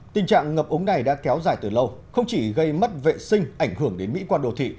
tình trạng ngập ống này đã kéo dài từ lâu không chỉ gây mất vệ sinh ảnh hưởng đến mỹ quan đồ thị